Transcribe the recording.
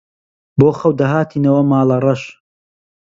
بۆ خەو دەهاتینەوە ماڵەڕەش